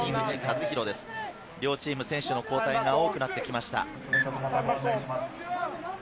両チーム、選手の交代が多くなってきました。